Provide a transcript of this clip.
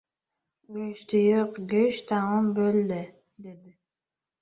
— Go‘shti yo‘q, go‘sht tamom bo‘ldi, — dedi.